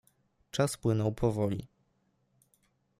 Czas płynął powoli.